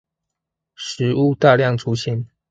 食物大量出現